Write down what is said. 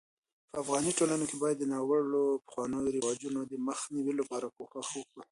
په افغاني ټولنه کي بايد د ناړوه پخوانيو رواجونو دمخ نيوي لپاره کوښښ وکړو